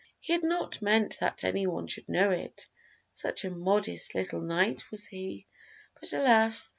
He had not meant that any one should know it, such a modest little knight was he; but alas!